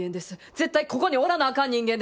絶対ここにおらなあかん人間です。